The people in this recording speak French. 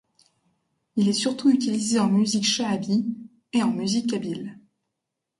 Il est surtout utilisé en musique chaâbi et en musique kabyle.